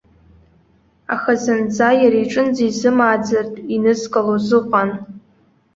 Аха зынӡа, иара иҿынӡа изымааӡартә инызкылоз ыҟан.